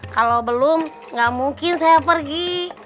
kalau belum nggak mungkin saya pergi